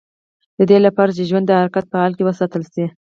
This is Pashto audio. د دې لپاره چې ژوند د حرکت په حال کې وساتل شي.